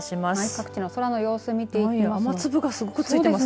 各地の空の様子を見ていきます。